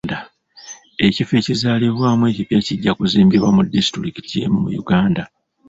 Ekifo ekizaalibwamu ekipya kijja kuzimbibwa mu disitulikiti emu mu Uganda